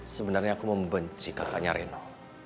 sebenarnya aku membenci kakaknya reno